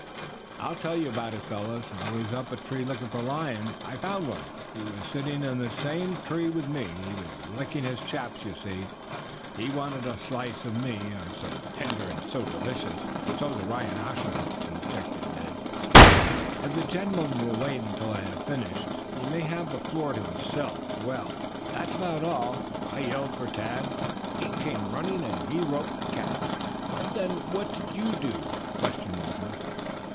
"I'll tell you about it, fellows. I was up a tree looking for lions. I found one. He was sitting in the same tree with me. He was licking his chops. You see, he wanted a slice of me, I'm so tender and so delicious " "So is a rhinoceros," interjected Ned. "If the gentleman will wait until I have finished he may have the floor to himself. Well, that's about all. I yelled for Tad. He came running, and he roped the cat." "Then what did you do?" questioned Walter.